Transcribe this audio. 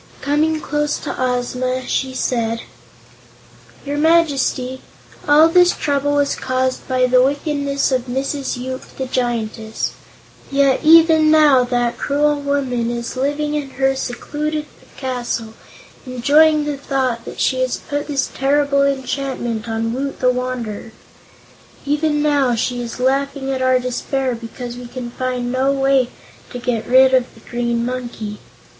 Coming close to Ozma, she said: "Your Majesty, all this trouble was caused by the wickedness of Mrs. Yoop, the Giantess. Yet even now that cruel woman is living in her secluded castle, enjoying the thought that she has put this terrible enchantment on Woot the Wanderer. Even now she is laughing at our despair because we can find no way to get rid of the green monkey.